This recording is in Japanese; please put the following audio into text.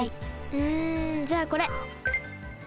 うんじゃあこれ。